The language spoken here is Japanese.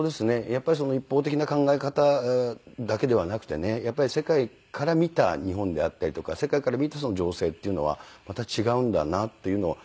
やっぱり一方的な考え方だけではなくてね世界から見た日本であったりとか世界から見た情勢っていうのはまた違うんだなっていうのを。